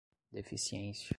deficiência